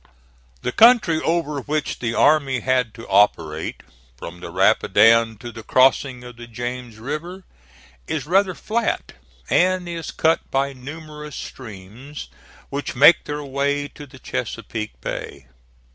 The country over which the army had to operate, from the Rapidan to the crossing of the James River, is rather flat, and is cut by numerous streams which make their way to the Chesapeake Bay.